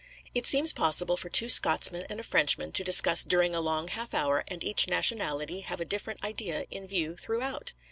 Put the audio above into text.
It seems possible for two Scotsmen and a Frenchman to discuss during a long half hour, and each nationality have a different idea in view throughout.